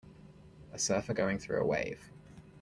A surfer going through a wave.